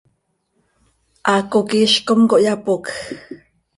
Haaco quih iizc com cohyapocj.